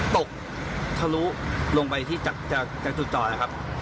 ตกทะลุลงไปที่จากจุดจอดนะครับ